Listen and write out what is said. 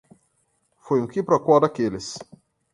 Foi um quiproquó daqueles!